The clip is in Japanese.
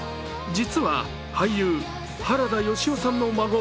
実は、俳優・原田芳雄さんの孫。